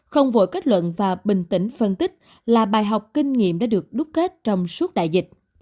không vội kết luận và bình tĩnh phân tích là bài học kinh nghiệm đã được đúc kết trong suốt đại dịch